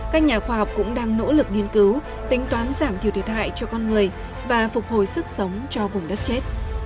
các nhà khoa học cũng đang nỗ lực nghiên cứu tính toán giảm thiểu thiệt hại cho con người và phục hồi sức sống cho vùng đất chết